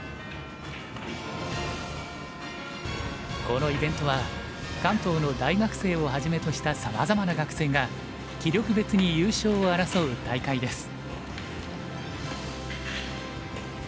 このイベントは関東の大学生をはじめとしたさまざまな学生が棋力別に優勝を争う大会です。